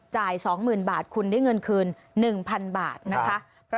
จ่าย๒หมื่นบาทคุณได้เงินคืน๑๐๐๐บาทนะคะ